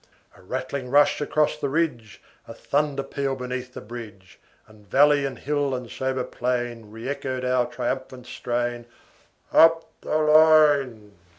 A rattling rush across the ridge, A thunder peal beneath the bridge; And valley and hill and sober plain Re echoed our triumphant strain, Up the line.